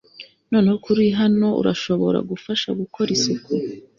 Noneho ko uri hano urashobora gufasha gukora isuku